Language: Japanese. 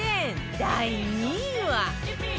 第２位は